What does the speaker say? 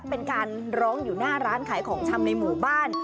เป็นการร้องอยู่หน้าร้านขายของชำในหมู่บ้าน